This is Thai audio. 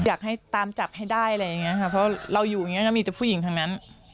อยากให้ตามจับให้ได้อะไรอย่างนี้ค่ะเพราะเราอยู่อย่างเงี้ก็มีแต่ผู้หญิงทั้งนั้น